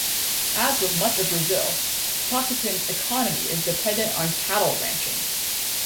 As with much of Brazil, Tocantins' economy is dependent on cattle ranching.